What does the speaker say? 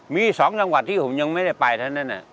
มี๒จังหวัดที่ผมยังไม่ได้ไปเท่านั้น